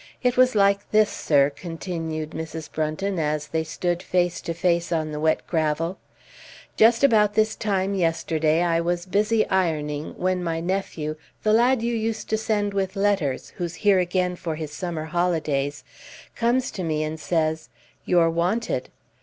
It was like this, sir," continued Mrs. Brunton, as they stood face to face on the wet gravel: "just about this time yesterday I was busy ironing, when my nephew, the lad you used to send with letters, who's here again for his summer holidays, comes to me an' says, 'You're wanted.'